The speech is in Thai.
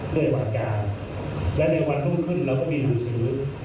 ด้วยหวัดการณ์และในวันพรุ่งขึ้นเราก็มีหนังสือ